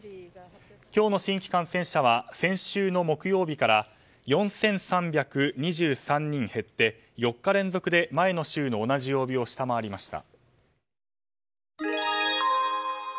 今日の新規感染者数は先週の木曜日から４３２３人減って４日連続で前の週の同じ曜日を下回りました。